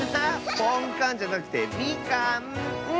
ポンカンじゃなくてみかん！